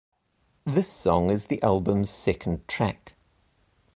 This song is the album's second track.